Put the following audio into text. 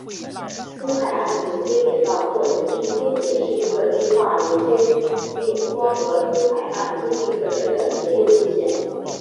东海岸衔接铁道或简称东铁是一个计划连接吉隆坡和东海岸经济特区的铁路路线。